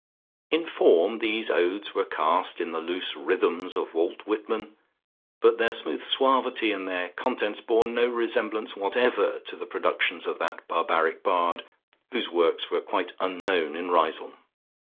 In form these odes were cast in the loose rhythms of Walt Whitman, but their smooth suavity and their contents bore no resemblance whatever to the productions of that barbaric bard, whose works were quite unknown in Riseholme.